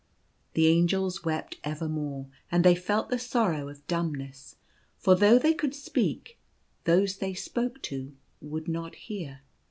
The Angels wept evermore, and they felt the sorrow of dumbness — for though they could speak, those they spoke to would not hear.